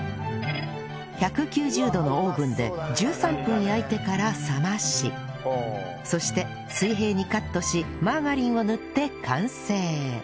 １９０度のオーブンで１３分焼いてから冷ましそして水平にカットしマーガリンを塗って完成